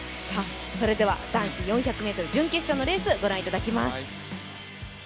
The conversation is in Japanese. それでは男子４００ｍ準決勝のレースをご覧いただきます。